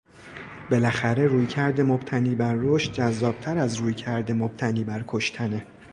بلاخره رویکرد مبتنی بر رشد جذابتر از رویکرد مبتنی بر کشتنه!